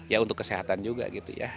ya untuk kesehatan juga gitu ya